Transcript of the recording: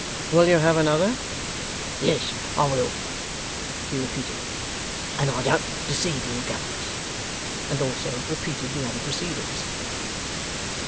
'Will you have another?' 'Yes, I will,' he repeated, 'and I don't deceive you, Governors.' And also repeated the other proceedings.